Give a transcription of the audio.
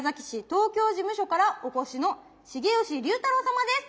東京事務所からお越しの重吉龍太郎様です。